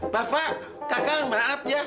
bapak kakang maaf ya